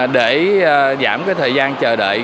để giảm thời gian chờ đợi